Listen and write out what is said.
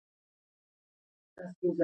ژمی د افغانستان طبعي ثروت دی.